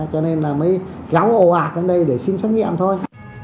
cho nên là mới kéo ủ ạt lên đây để xin xét nghiệm thôi